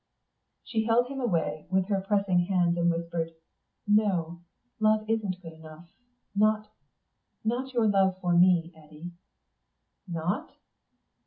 She still held him away with her pressing hands, and whispered, "No, love isn't good enough. Not not your love for me, Eddy." "_Not?